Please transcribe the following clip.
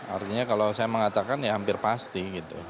artinya kalau saya mengatakan ya hampir pasti gitu